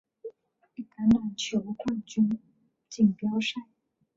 橄榄球冠军锦标赛。